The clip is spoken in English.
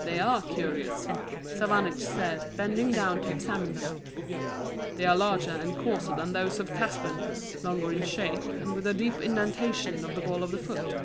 "They are curious," Savanich said, bending down to examine them. "They are larger and coarser than those of Caspan, longer in shape, and with a deep indentation of the ball of the foot.